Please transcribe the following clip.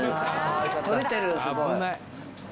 とれてる、すごい。